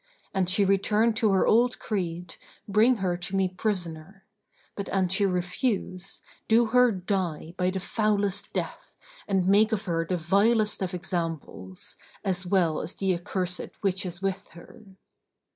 An she return to her old creed, bring her to me prisoner; but an she refuse, do her die by the foulest death and make of her the vilest of examples, as well as the accursed which is with her."